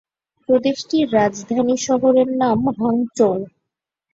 প্রদেশটির রাজধানী শহরের নাম হাংচৌ।